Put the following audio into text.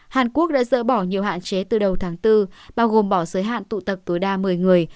hàn quốc đã dỡ bỏ nhiều hạn chế từ đầu tháng bốn bao gồm bỏ giới hạn tụ tập tối đa một mươi người